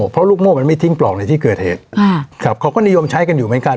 เพราะลูกโม่มันไม่ทิ้งปลอกในที่เกิดเหตุอ่าครับเขาก็นิยมใช้กันอยู่เหมือนกัน